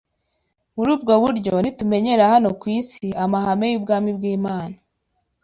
Muri ubwo buryo, nitumenyera hano ku isi amahame y’ubwami bw’Imana